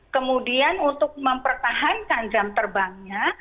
kemudian untuk mempertahankan jam terbangnya